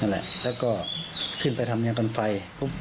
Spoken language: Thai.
แล้วก็ขึ้นไปทำแนวกันไฟ